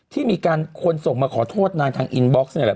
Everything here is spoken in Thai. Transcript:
ที่มีการคนส่งมาขอโทษนางทางอินบ็อกซ์นี่แหละ